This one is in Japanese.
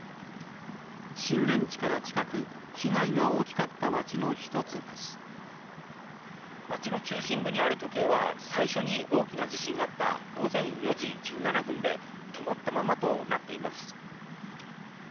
震源地から近く、町の中心部にある時計は、最初に大きな地震があった午前４時１７分で止まったままとなっています。